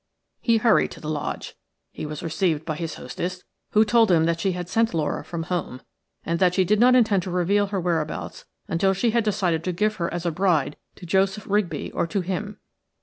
He hurried to the Lodge; he was received by his hostess, who told him that she had sent Laura from home, and that she did not intend to reveal her whereabouts until she had decided to give her as a bride to Joseph Rigby or to him.